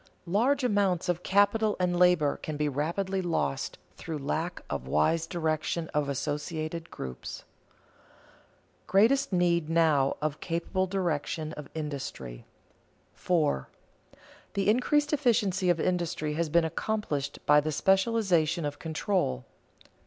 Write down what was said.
Large amounts of capital and labor can be rapidly lost through lack of wise direction of associated groups. [Sidenote: Greatest need now of capable direction of industry] 4. _The increased efficiency of industry has been accompanied by the specialization of control.